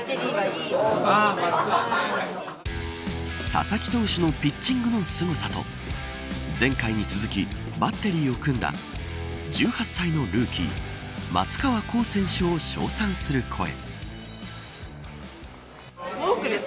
佐々木投手のピッチングのすごさと前回に続きバッテリーを組んだ１８歳のルーキー松川虎生選手を称賛する声。